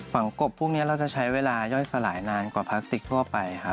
กบพวกนี้เราจะใช้เวลาย่อยสลายนานกว่าพลาสติกทั่วไปครับ